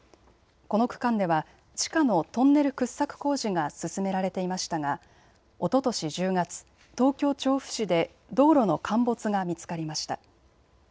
この区間では地下のトンネル掘削工事が進められていましたがおととし１０月、東京調布市で道路の陥没が見つかりました。